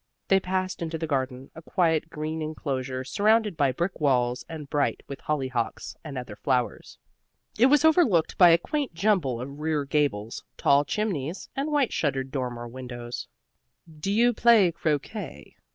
They passed into the garden, a quiet green enclosure surrounded by brick walls and bright with hollyhocks and other flowers. It was overlooked by a quaint jumble of rear gables, tall chimneys and white shuttered dormer windows. "Do you play croquet?"